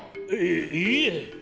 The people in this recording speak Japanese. いいいえ！